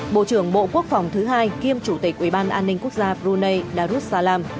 bộ trưởng bộ quốc phòng thứ hai kiêm chủ tịch ubnd quốc gia brunei darussalam